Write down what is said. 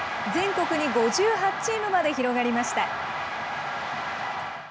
全国に５８チームまで広がりました。